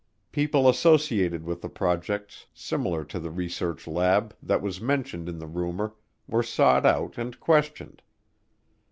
People associated with projects similar to the research lab that was mentioned in the rumor were sought out and questioned.